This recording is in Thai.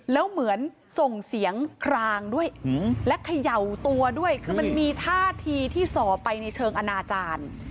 แล้วเหมือนส่งเสียงคลางด้วยและเขย่าตัวด้วยคือมันมีท่าทีที่ส่อไปในเชิงอนาจารย์